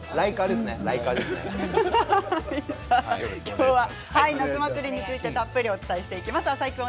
今日は夏祭りについてたっぷりお伝えしていきます。